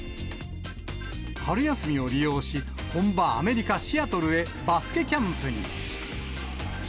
春休みを利用し、本場、アメリカ・シアトルへバスケキャンプに。